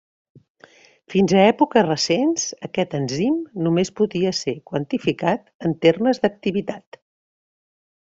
Fins a èpoques recents aquest enzim només podia ser quantificat en termes d'activitat.